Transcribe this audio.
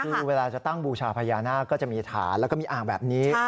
คือเวลาจะตั้งบูชาพญานาคก็จะมีฐานแล้วก็มีอ่างแบบนี้